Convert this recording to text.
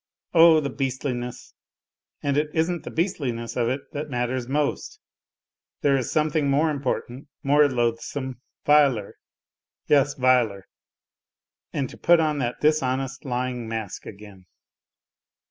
Oh, the beastliness ! And it isn't the beastliness of it that matters most ! There is something more important, more loathsome, viler ! Yes, viler ! And to put on that dishonest lying mask again